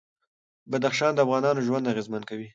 بدخشان د افغانانو ژوند اغېزمن کوي.